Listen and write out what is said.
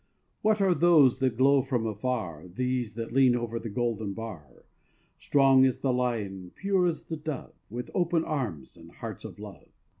What are these that glow from afar, These that lean over the golden bar, Strong as the lion, pure as the dove, With open arms and hearts of love?